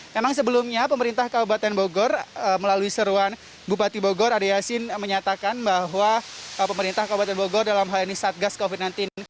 memang sebelumnya pemerintah kabupaten bogor melalui seruan bupati bogor ade yasin menyatakan bahwa pemerintah kabupaten bogor dalam hal ini satgas covid sembilan belas